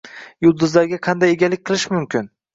— Yulduzlarga qanday egalik qilish mumkin?